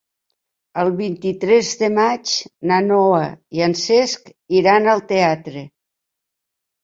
El vint-i-tres de maig na Noa i en Cesc iran al teatre.